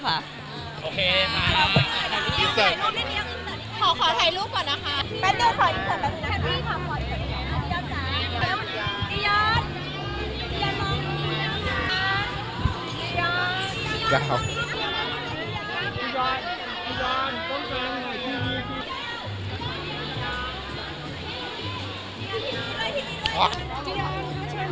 ขอถ่ายรูปก่อนนะคะ